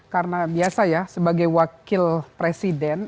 karena biasa ya sebagai wakil presiden